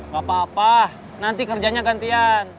gak apa apa nanti kerjanya gantian